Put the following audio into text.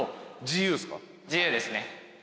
自由ですね。